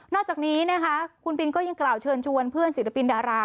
จากนี้นะคะคุณปินก็ยังกล่าวเชิญชวนเพื่อนศิลปินดารา